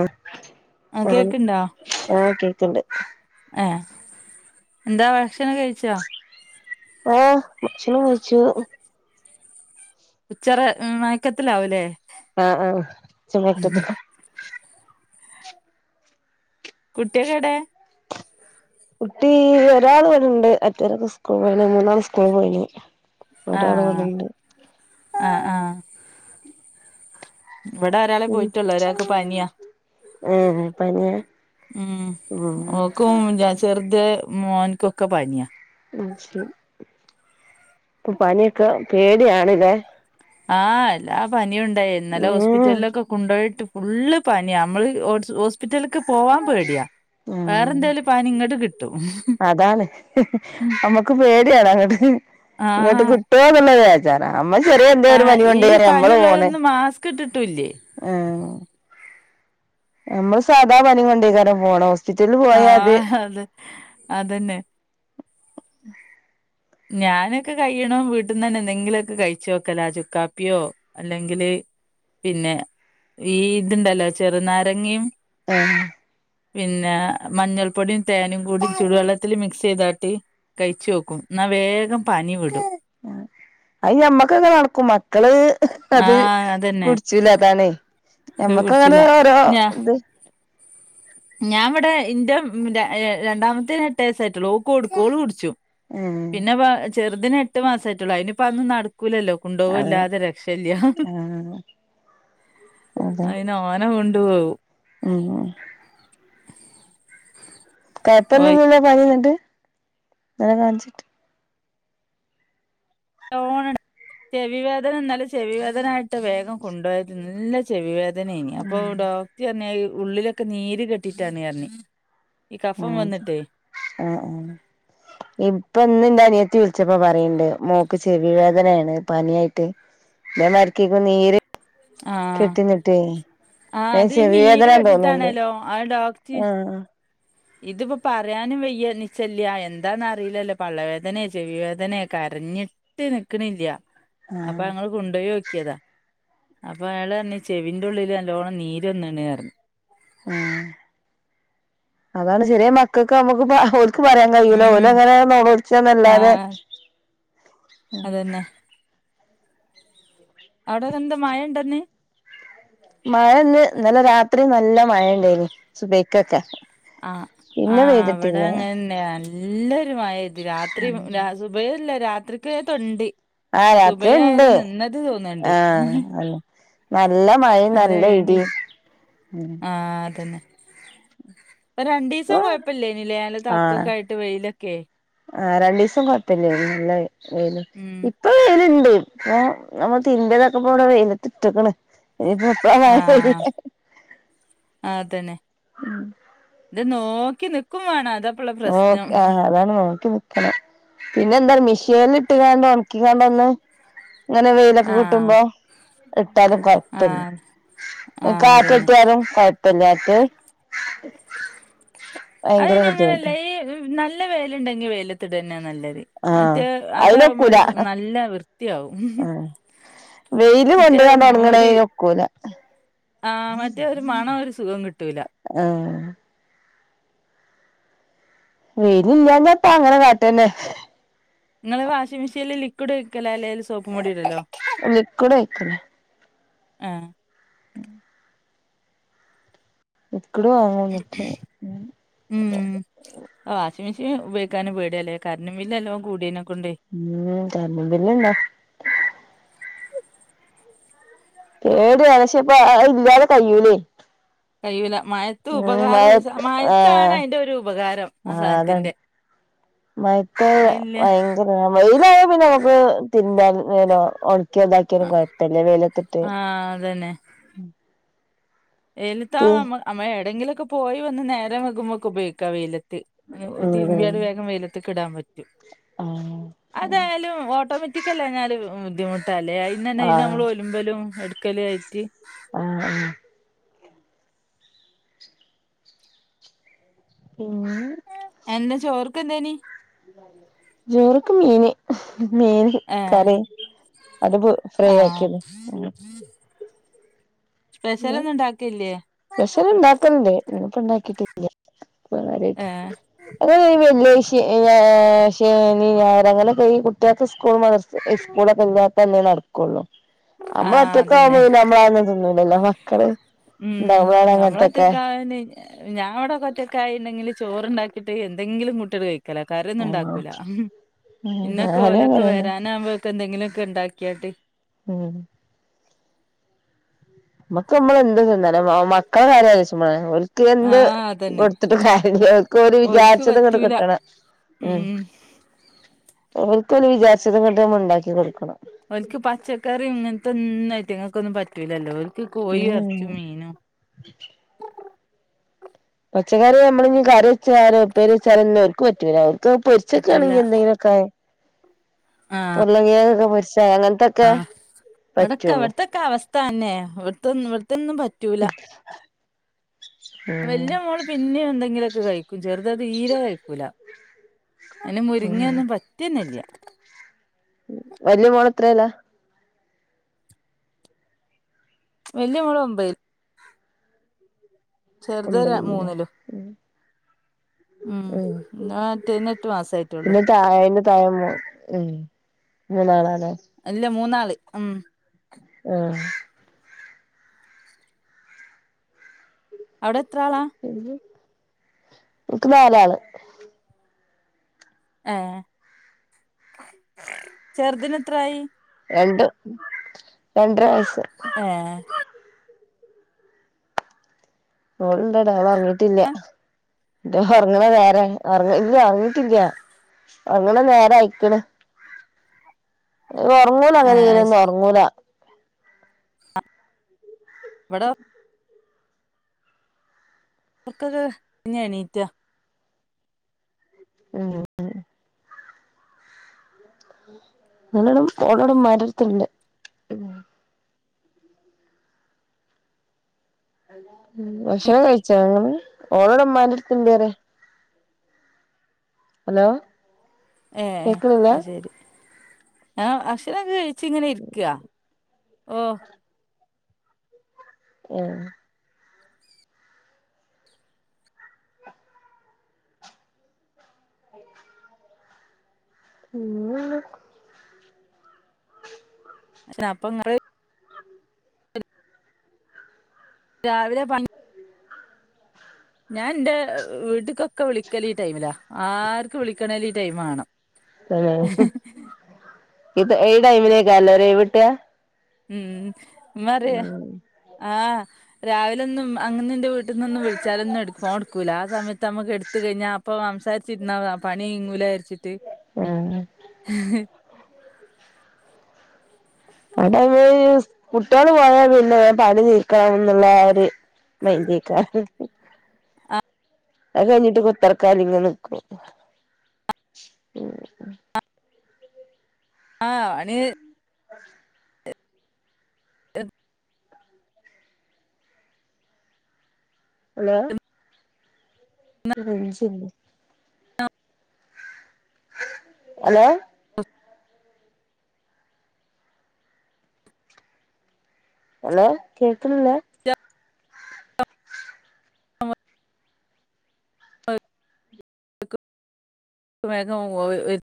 ആഹ് ആ പറയു ആഹ് കേൾക്ക്ണ്ട്. ആഹ്, എന്താ ഭക്ഷണം കഴിച്ചോ ആഹ് ഭക്ഷണം കഴിച്ചു. ഉച്ചറ മയക്കത്തിലാവൂല്ലേ ആഹ് ആഹ്, ഉച്ച മയക്കത്തിലാ കുട്ടിയൊക്കെവിടെ കുട്ടീ ഒരാള് ഇവടെണ്ട് മറ്റോലൊക്കെ സ്കൂള് പോയിന് മൂന്നാള് സ്കൂള് പോയിന് ഒരാള് ആഹ് ഇവടണ്ട്. ആഹ് ആഹ് ഇവിടെ ഒരാളെ ഉം പോയിട്ടൊള്ളൂ ഒരാൾക്ക് പനിയാ ഏഹ് പനിയാ ഹ്മ്മ് ഉം ഓൾക്കും ജ ചെറുത് മോൻക്കൊക്കെ പനിയാ അത് ശെരി. പനിയൊക്കെ പേടിയാണ്ല്ലേ ആഹ് എല്ലാ പനിയുണ്ടായി ഇന്നലെ ഉം ഹോസ്പിറ്റലിലൊക്കെ കൊണ്ടോയിട്ടും ഫുള്ള് പനിയാ അമ്മള് ഹോസ്പിറ്റൽക്ക് പോവാൻ പേടിയാ ഉം വേറെന്തേലും പാനി ഇങ്ങട്ട് കിട്ടും. അതാണ് ഹ്മ്മ് നമ്മക്ക് [inaudible] ആഹാ കിട്ടോന്നുള്ള ബേജാറാ അമ്മക്ക് ചെറിയ എന്തോരു പനി കൊണ്ട് വര നമ്മള് പോണ് കിട്ട്ട്ടൂലെ ആഹ്. ഞമ്മള് സാദാ പനി കൊണ്ടൈക്കാരം പോണ് ഹോസ്പിറ്റൽല് പോയാ അത് അതെന്നെ ഞാനൊക്കെ കഴിയ്ണവും വീട്ട്ന്നന്നെ എന്തെങ്കിലൊക്കെ കഴിച്ചോക്കലാ ചുക്കാപ്പിയോ അല്ലെങ്കില് പിന്നെ ഈ ഇത്ണ്ടല്ലോ ചെറ്നാരങ്ങിം ഏഹ് പിന്നെ മഞ്ഞൾപ്പൊടിം തേനും കൂടി ചൂടുവെള്ളത്തില് മിക്സ് ചെയ്താട്ടി കയ്ചോക്കും ഇന്നാ വേഗം പനി വിടും ആഹ് അത് ഞമ്മക്കെക്കെ നടക്കും മ മക്കള് അത് ആഹ് അതന്നെ കുടിച്ചൂല അതാണേ ഞമ്മക്ക് അങ്ങനെ കുടിച്ചില്ല ഓരോ ഞാ ഇത് ഞാൻ ഇവടെ ഇന്റെ രണ്ടാമത്തെ എട്ട് വസായിട്ടാെള്ളൂ ഓക്ക് കൊടുക്കും ഓള് കുടിച്ചും ഉം പിന്നെപ്പൊ ചെറ്തിന് എട്ട് മാസായിട്ടാെള്ളൂ ഐന്പ്പാെ അതൊന്നും നടക്കൂലല്ലോ അതെ കൊണ്ടോവെല്ലാതെ രക്ഷല്യ ആഹ് അതെ ഐനോ ഓനെ കൊണ്ടു പോവും ഉം ഏഹ് ഓ കൊഴപ്പാെന്നുല്യല്ലോ പനഇന്ന്ണ്ട് മോനെകാൺച്ചിട്ട് നല്ലോണംണ്ട് ചെവി വേദന ഇന്നലെ ചെവി വേദനായിട്ട് വേഗം കൊണ്ടാേയത് നല്ല ചെവി വേദനേയ്‌നി അപ്പൊ ഡോക്ടർ പർണത് ഉള്ളിലൊക്കെ നീര് കെട്ടിട്ടാണ് അർണ് ആജ് ആഹ് ആഹ് ഇപ്പൊ ഇന്ന് ഇന്റെ അനിയത്തി വിളിച്ചപ്പാെ പറയ്ണ്ട് മോക്ക് ചെവി വേദനേണ് പനിയായിട്ട് ഇതേ മാതിരിക്കേക്കും നീര് ആഹ് കെട്ടിന്ന്ട്ടേയ് ആഹ് ഐന് അത് ഈ നീര് ചെവിവേദനയാന്ന് തോന്ന്ണ്ട് കെട്ടിട്ടാണല്ലോ ആഹ് ആഹ് ഇതിപ്പാെ പറയാനും വെയ്യ നിച്ചല്ല്യാ എന്താന്ന് അറീലല്ലോ പള്ളവേദനെ ചെവിവേദനെ കരഞ്ഞി ട്ട് നിക്ക്ണില്യ ആഹ് അപ്പൊ ഞങ്ങള് കൊണ്ടോയോക്കിയതാ അപ്പൊ അയാളർണ് ചെവിന്റെ ഉള്ളില് നല്ലോണം നീര് വന്ന്‌ണ് അറ്ഞ്ഞു ആഹ് അതാണ് ചെറ്യേ മക്കൾക്കാവുമ്പൊക്കെ [unintelligible] ഇക്ക് പറയാൻ കഴിയൂല ഉം ഓലങ്ങനെ നൊളോൾച്ചാന്നല്ലാതെ അതെന്നെ അവിടെതെന്ത മയഇണ്ടഇന്ന് മഴ ഇന്ന് ഇന്നലെ രാത്രി നല്ല മയ ഇണ്ടായിന് സുബ്ഹിക്കെക്കെ ആഹ് ആഹ് അവടെ അങ്ങനെന്നെ നല്ലൊരുമയയൈത് രാത്രിം [unintelligible] ഇവടെല്ലെ രാത്രിക്ക് അകത്തുണ്ട് ആഹ് രാത്രിഇണ്ട് ആഹ് അയന്നെ നല്ല മയിം നല്ല ഇടിം ഉം ആഹ് അതെന്നെ രണ്ടീസം ഇപ്പൊ കൊഴപ്പെല്ലേയ്നിലെ നല്ല ആഹ് തക്ക ആയിട്ട് വെയിലൊക്കെ ആഹ് രണ്ടീസം കൊഴപ്പല്യേന്നുലെ വെെലും ഉം ഇ ഇപ്പൊ വെെല്ഇണ്ട് ഏ നമ്മള് തിരിമ്പ്യേതൊക്കെപ്പൂടെ വെെലത്ത് ഇട്ട്ക്ക്ണ് ആഹ് ഇനിപ്പൊ അതന്നെ [unintelligible] ഇത് നോക്കി നിക്കും വാണം അതപ് നോക്കി അഹാ അതാണ് നോക്കി നി ക്കണം പിന്നെ എന്താ അറിയോ മിഷീൻല് ഇട്ട്കാണ്ട് ഒൺക്കികാണ്ട് ഒന്ന് ഇങ്ങനെ വെെലൊക്കെ ആഹ് കിട്ടുമ്പൊ ഇട്ടാലും കൊഴ പല്യ ആഹ് അത് ആഹ് അതന്നെ കാറ്റട്ടിയാലും കൊയ പല്യാത്തത് ഭയങ്കര ബുദ്ധിമു അല്ല ഈ നല്ല വൈല് ഇണ്ടെങ്ങി വൈലത്ത് ഇട്എന്നെ നല്ലത് ആഹ് മറ്റേത് അതാവുമ്പൊ അയിനൊക്കൂല ഒര് സു നല്ലംവൃത്തിയാവും വെെല് കൊണ്ട്കാണ്ട് ഒണങ്ങ്ണൈന് ഒക്കൂല ആഹ് മറ്റേ ഒരു മണം ഒരു സുഖം കിട്ടൂല ആഹ് വെയിൽ ഇല്ലാതപ്പ അങ്ങനെ കാട്ടന്നെ ഇങ്ങള് വാഷിംഗ് മെഷീല് ലിക്വിഡ് ഒയ്ക്കല അല്ലേൽ സോപ്പ് പോടി ഇടല്ലോ? ലിക്വിഡ്‌ ഒയിക്കാലാ ആഹ് ഉം [inaudible] ലിക്വിഡ് വാങ്ങാൻ കിട്ടും ഉം വാഷിംഗ് മെഷീൻ ഉപയോഗിക്കാൻ പേടിയല്ലേ കരണ്ട് ബില്ല് നല്ലോണം കൂടിയനൊക്കെണ്ട് കറണ്ട് ബില്ല് ഉണ്ട് ഏത് എലക്ഷേ ഇപ്പ അത് ഇല്ലാതെ കഴ്യൂലേ കഴൂല മഴത്ത് മഴ ഉപകാരംഉള്ള സാ മഴത്താണ് ആഹ് അതിന്റെ ഒരു ഉപകാരം ആഹ് അതാണ് ആസാനത്തിന്റെ മഴത്ത് ഭയങ്കര വെയിലായ പിന്നെ നമുക്ക് തിന്ന്തൻ ഒണക്കിതാക്കിയാലും കുഴപ്പമില്ല വെയിലത്തിട്ട് ആഹ് അതന്നെ വെയ്ലത്താവ ത് നമ്മ നമ്മൾ എവിടെങ്കിലൊക്കെ പോയി വന്ന് നേരെം വൈകുമ്പോൾ ഉപയോഗിക്കാം വെയിലത്ത് തിരുമ്പിയാൽ വേഗം വെയില വെയിലത്ത്ക്ക് ഇടാൻ പറ്റും ആഹ് അതായാലും ഓട്ടോമാറ്റിക്കല്ലന്നാല് ബുദ്ധിമു തലയിന്നന്നെ അതിന് ആഹ് നമ്മള് ഒലുമ്പലും എടുക്കലും ആയിട്ട്. ആഹ് ആഹ് പിന്നെ എന്താ ചോർക്ക് എന്തേനി ചോറ്ക്ക് മീന് ഹും മീന് ഏഹ് കറി അത് പോ ഫ്രൈ ആഹ് ആക്കിയതും സ്പെഷ്യൽ ഒന്നും ഉണ്ടാക്കൽയില്ലേ? സ്പെഷ്യൽ ഉണ്ടാക്കൽ ഇണ്ട് ഇന്ന് ഇപ്പ ഉണ്ടാക്കിട്ട്--ഇല്ല ഇല്ല കാര്യയിട്ട് ഏഹ് [inaudible] ഏഹ് ശനി ഞായറ് അങ്ങനെയൊക്കെ ഈ കുട്ടികൾക്ക് സ്കൂൾ മദർസ്സ് സ്കൂളൊക്കെ ഇല്ലാത്ത ദിവസം അന്നെ നടക്ക നടക്കുയുള്ളൂ നമ്മ ആഹ് ഒറ്റക്ക് അതന്നെ ആവുമ്പോ നമ്മള് ആന്ന് തിന്നുല്ലല്ലോ മക്കള് ഉം ഇണ്ടാവുമ്പളാണ് അങ്ങനത്തൊക്കെ നമ്മളറ്റൊക്കന്ന് ഞാൻ ഇവിടെ ഒറ്റക്കയ് ആയിണ്ടെങ്കിൽ ചോറണ്ടാക്കിട്ട് എന്തെങ്കിലും കൂട്ടി ആട്ട് കഴിക്ക കയിക്കല്ലാ കറി ഒന്നും ആഹ് ഉണ്ടാക്കൂല ഹും പിന്നൊക്കെ ഞാനും ഓല് ഒക്കെ അങ്ങനെന്നെ വരാന് അ ഒക്കെന്തെങ്കിലും ഒക്കെ ഉണ്ടാക്കിയാട്ട് ഉം നമ്മക്ക് നമ്മളെന്ത്‌ തിന്നല്ലോ മക്കളെ കാര്യം ആലോചിച്ചുമ്മളാ നമ്മൾ എന്ത് ആഹ് അതന്നെ കൊടുത്തിട്ട് കാര്യമില്ല ഓർക്ക് ഓൽക്ക് വിചാരിച്ചത് അങ്ങോട്ട് പറ്റൂല കിട്ടണം ഉ ഉം അവർക്ക് ഒരു വിചാരിച്ചത നമ്മൾ ഉണ്ടാക്കി കൊടുക്കണം ഒലക്ക് പച്ചക്കറിയും ഇങ്ങനത്തെ ഒന്നുംായിട്ടങ്ങൾക്കൊന്നും പറ്റൂലല്ലോ ഒലക്ക് കോഴി ഇറച്ചും ഉം മീനും [inaudible] പച്ചക്കറി നമ്മള കറി വെച്ചാലോ ഉപ്പേരി വെച്ചാലോന്നും അവർക്ക് പറ്റൂല അവർക്ക് പൊരിച്ചൊക്കെ പറ്റൂല ആണെങ്കിൽ എന്തെങ്കിലും [inaudible] ഉരുളൻ കിഴങ്ങ് പൊരിച്ച അങ്ങനത്തെക്കെ ആഹ് ഇവിടൊക്കെ അവിടത്തൊക്കെ അവസ്ഥ തന്നെ ഇവിടത്തെന്നും ഇവിടത്തെൊന്നും പറ്റൂല ഉം വലിയ മോള് പിന്നെയും എന്തെങ്കിലുമൊക്കെ കഴിക്കും ചെറുത് അത് തീരെ കഴിക്കൂല അതിന് ഉം മുരിങ്ങ ഒന്നും പറ്റിയന്നല്ല വലിയ മോൾ എത്രയിലാ വലിയ മോള് ഒമ്പതിൽ ചെറുത് ഒമ്പതില്ലേ മൂന്നിലും ഉം ഞാൻ [inaudible] എട്ടുമാസം ആയിട്ടുള്ളൂ പിന്നെ താഴെ താഴേണ്ട താഴെ മൂന്നാളും അല്ല മൂന്നാള് ഉം ആഹ് അവിടെ എത്ര ആളാ ഇൻക്ക് നാലാള് ഏഹ് ചെറുതിന് എത്രായി രണ്ട്‌ രണ്ടര വയസ്സ് ഏഹ് മോളുണ്ടവിടെ ഓളൊറങ്ങീട്ടില്ല ഇന്ത ഉറങ്ങണ നേരെ ഇല്ല ഒറങ്ങിട്ടില്ല ഒറങ്ങണ നേരെ അയിക്കണ് ഒറങ്ങൂല ഏ അങ്ങനെ ഇങ്ങനൊന്നും ഒറങ്ങൂല ഇവടൊ ഒർക്കൊക്കെ പിന്നെ എണീറ്റ ഊം ഓളടെ ഓളടെ ഇമ്മാന്റെ അടുത്തുണ്ട് ഉം ഭക്ഷണം കഴിച്ചോ ഇങ്ങള് ഓളോടമ്മാന്റെ അടുത്ത്ണ്ട്‌ പറയ ഹലോ ഏഹ് കേക്ക്ണില്ല അഹ് ശെരി ആഹ് ഭക്ഷണൊക്കെ കഴിച്ചിങ്ങനെ ഇരിക്കാ ഓഹ് ആഹ് [unintelligible] പക്ഷെ അപ്പൊങ്ങള് രാവിലെ പ ഞാൻ ന്റെ വീട്ടിക്കൊക്കെ വിളിക്കല് ഈ ടൈമിലാ ആർക്ക് വിളിക്കണേലും ഈ ടൈം ആവണം തന്നെ ഇ ഈ ടൈമിലയ്ക്കാരം അല്ലെ ഒര് ഒഴിവ് കിട്ടാ ഉം ഇമ്മ അറിയും ഉം ആഹ് രാവിലൊന്നും അങ്ങനെ ഇന്റെ വീട്ടിൽന്നൊന്നും വിളിച്ചാലൊന്നും എടു ഫോൺ എടുക്കൂല്ല ആ സമയത്ത് നമ്മക്ക് എട് ത്ത് കഴിഞ്ഞ അപ്പൊ സംസാരിച്ചിരുന്ന പണി നീങ്ങൂല വിചാരിച്ചിട്ട് ആഹ് ഉ അവിടെ നമ്മള് സ് കുട്ട്യാള് പോയാൽ പിന്നെ വേം പണി നീക്കാ എന്നുള്ള ആ ഒര് മൈൻഡ് അയ്ക്കാരം അഹ് കഴിഞ്ഞിട്ട് കുത്തർക്കാല്ലിങ്ങനെ നിക്കും ഉം ആഹ് [unintelligible] ആഹ [inaudible] എഹ് ഹെലോ റേഞ്ചില്ല ഹലോ ഹലോ കേക്കണില്ല [unintelligible] [unintelligible] വേഗം [unintelligible]